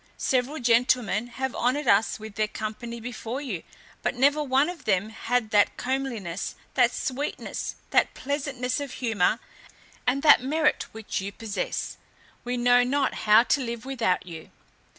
Several gentlemen have honoured us with their company before you; but never one of them had that comeliness, that sweetness, that pleasantness of humour, and that merit which you possess; we know not how to live without you."